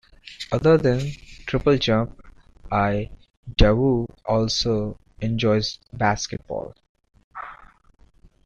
Other than triple jump, Idowu also enjoys basketball.